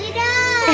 bisa peluk ibu